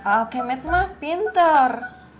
a'a kemet mah pinter